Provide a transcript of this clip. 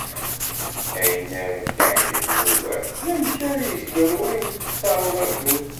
Ayen ara k-iεejben ugar, d amek ara yezger wayen tettaruḍ akud.